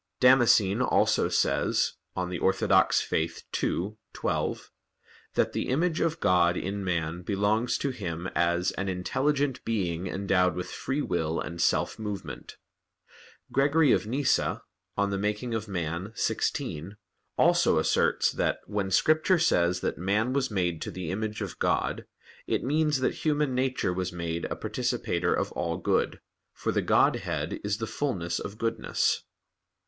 Damascene also says (De Fide Orth. ii, 12) that the image of God in man belongs to him as "an intelligent being endowed with free will and self movement." Gregory of Nyssa (De Homin. Opificio xvi) also asserts that, when Scripture says that "man was made to the image of God, it means that human nature was made a participator of all good: for the Godhead is the fulness of goodness."